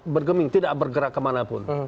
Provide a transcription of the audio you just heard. bergeming tidak bergerak kemanapun